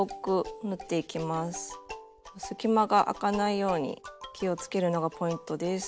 隙間があかないように気をつけるのがポイントです。